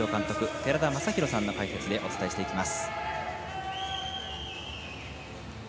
寺田雅裕さんの解説でお伝えしていきます。